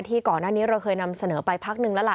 ก่อนหน้านี้เราเคยนำเสนอไปพักนึงแล้วล่ะ